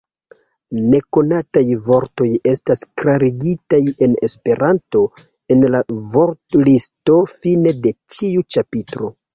Nekonataj vortoj estas klarigitaj en Esperanto en la vortlisto fine de ĉiu ĉapitro.